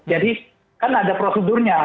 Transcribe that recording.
jadi kan ada prosedurnya